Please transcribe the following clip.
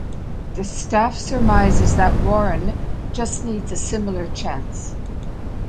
The staff surmises that "Warren" just needs a similar chance.